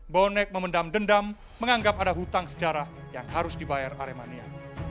bonek memendam dendam menganggap ada hutang sejarah yang harus dibayar aremania